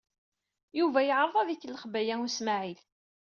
Yuba yeɛreḍ ad ikellex Baya U Smaɛil.